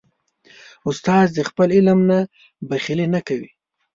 استاد د خپل علم نه بخیلي نه کوي.